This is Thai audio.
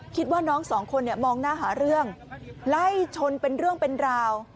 คิดว่าน้องสองคนเนี่ยมองหน้าหาเรื่องไล่ชนเป็นเรื่องเป็นราว